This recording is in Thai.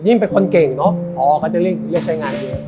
ยิ่งเป็นคนเก่งเนอะออเขาจะเรียกใช้งานเดียว